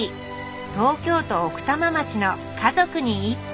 東京都奥多摩町の「家族に一杯」。